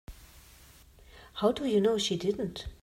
How do you know she didn't?